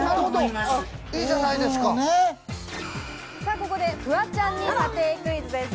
ここでフワちゃんに査定クイズです。